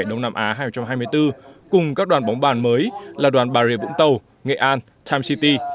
đông nam á hai nghìn hai mươi bốn cùng các đoàn bóng bàn mới là đoàn bà rịa vũng tàu nghệ an time city